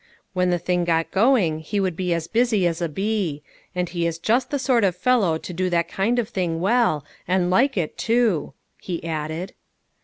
When the thing got going he would be as busy as a bee ; and he is just the sort of fellow to do that kind of thing well, and like it too," he added.